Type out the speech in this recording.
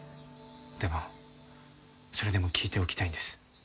でもそれでも聞いておきたいんです。